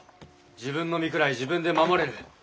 自分の身くらい自分で守れる。